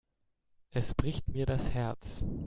Es bricht mir das Herz.